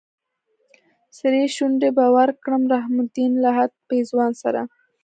سرې شونډې به ورکړم رحم الدين لهد پېزوان سره